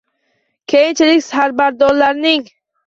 Keyinchalik sarbadorlarining